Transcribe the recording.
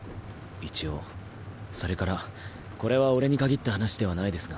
それからこれは俺にかぎった話ではないですが。